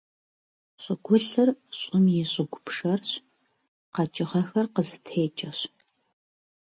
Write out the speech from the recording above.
ЩӀыгулъыр - щӀым и щыгу пшэрщ, къэкӀыгъэхэр къызытекӀэщ.